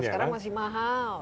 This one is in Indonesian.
kalau sekarang masih mahal